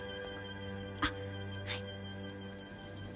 あっはい。